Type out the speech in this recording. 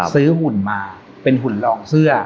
หุ่นมาเป็นหุ่นลองเสื้อ